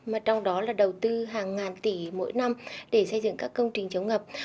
mà trong đó là đầu tư hàng ngàn tỷ mỗi năm để xây dựng các công trình chống ngập